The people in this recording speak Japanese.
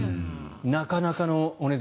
なかなかのお値段。